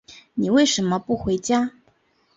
你为什么不回家？